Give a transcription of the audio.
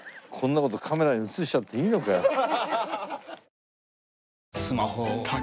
こんな事カメラに映しちゃっていいのかよ。